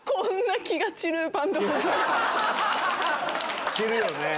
散るよね！